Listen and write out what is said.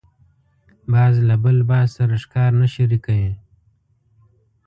باز له بل باز سره ښکار نه شریکوي